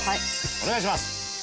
お願いします！